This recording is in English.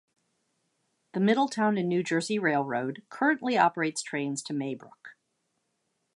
The Middletown and New Jersey Railroad currently operates trains to Maybrook.